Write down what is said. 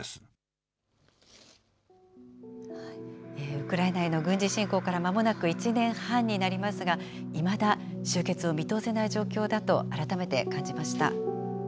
ウクライナへの軍事侵攻からまもなく１年半になりますが、いまだ終結を見通せない状況だと改めて感じました。